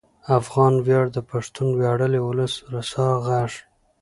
افغان ویاړ د پښتون ویاړلي ولس رسا غږ